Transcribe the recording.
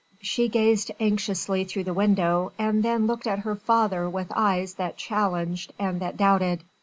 She gazed anxiously through the window, and then looked at her father with eyes that challenged and that doubted.